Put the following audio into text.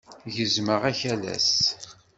Gezmeɣ akalas.